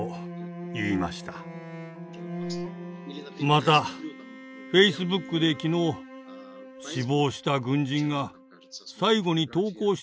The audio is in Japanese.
またフェイスブックで昨日死亡した軍人が最後に投稿した写真を見ました。